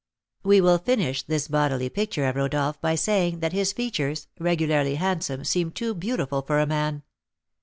We will finish this bodily picture of Rodolph by saying that his features, regularly handsome, seemed too beautiful for a man.